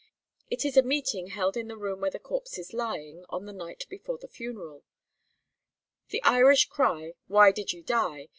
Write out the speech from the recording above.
It is a meeting held in the room where the corpse is lying, on the night before the funeral. The Irish cry, 'Why did ye die?'